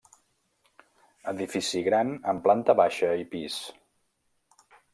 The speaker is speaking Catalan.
Edifici gran amb planta baixa i pis.